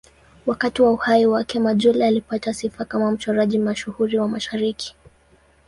Wakati wa uhai wake, Majolle alipata sifa kama mchoraji mashuhuri wa Mashariki.